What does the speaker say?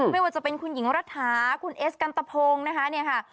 ไม่ว่าจะเป็นคุณหญิงระถาคุณเอสกันตะโพงนะคะ